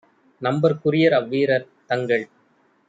நம்பற்க் courier அவ்வீரர் - தங்கள்